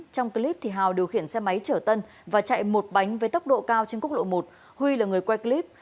trong clip hào điều khiển xe máy trở tân và chạy một bánh với tốc độ cao trên quốc lộ một huy là người quay clip